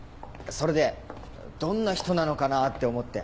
それでどんな人なのかなぁって思って。